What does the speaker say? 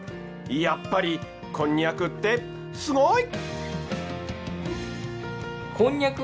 やっぱりこんにゃくってすごい！